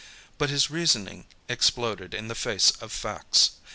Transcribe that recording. But his reasoning exploded in the face of facts.